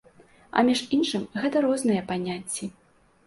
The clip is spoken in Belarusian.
А між іншым, гэта розныя паняцці.